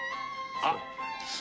あっ。